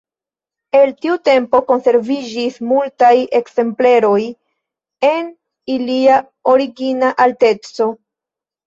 El tiu tempo konserviĝis multaj ekzempleroj en ilia origina alteco.